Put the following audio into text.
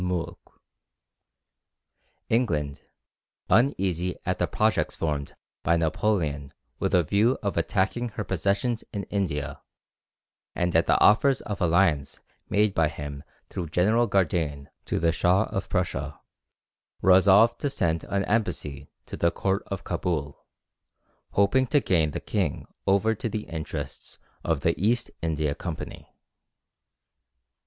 England, uneasy at the projects formed by Napoleon with a view of attacking her possessions in India, and at the offers of alliance made by him through General Gardane to the Shah of Persia, resolved to send an embassy to the court of Cabul, hoping to gain the king over to the interests of the East India Company.